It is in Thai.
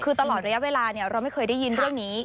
คือตลอดระยะเวลาเราไม่เคยได้ยินเรื่องนี้